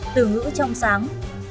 từ ngữ trong sáng